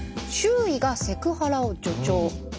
周囲がセクハラを助長。